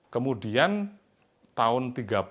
kemudian tahun seribu sembilan ratus tiga puluh